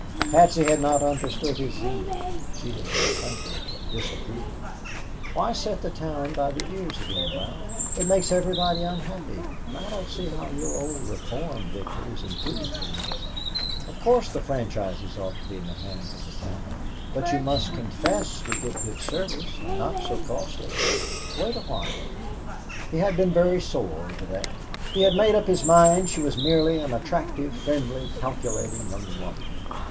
Patsy had not understood his zeal. She had been frankly disapproving. "Why set the town by the ears again, Ralph? It makes everybody unhappy, and I don't see how your old reform victory has improved things. Of course the franchises ought to be in the hands of the town, but you must confess we get good service and not so costly. Wait awhile." He had been very sore over that. He had made up his mind she was merely an attractive, friendly, calculating young woman.